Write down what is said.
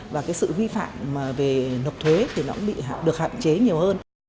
và sự vi phạm về nộp thuế thì nó cũng được hạn chế nhiều hơn